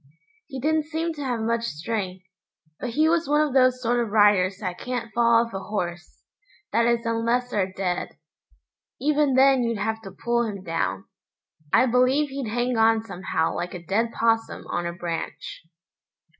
He didn't seem to have much strength, but he was one of those sort of riders that can't fall off a horse, that is unless they're dead. Even then you'd have to pull him down. I believe he'd hang on somehow like a dead 'possum on a branch.